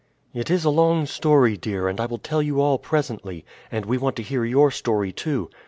"It is a long story, dear, and I will tell you all presently; and we want to hear your story too.